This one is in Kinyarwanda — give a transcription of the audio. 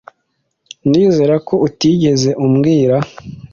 Ndizera ko utigeze ubwira .